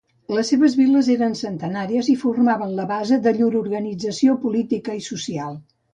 Les seves viles eren centenàries i formaven la base de llur organització política i social.